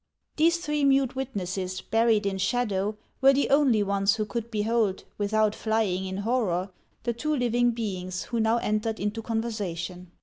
These three mute witnesses, buried in shadow, were the only ones who could behold, without Hying in horror, the two living beings who now entered into conversation.